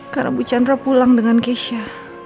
karena bu chandra pulang dengan kesya